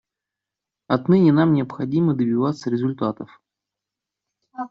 Отныне нам необходимо добиваться результатов.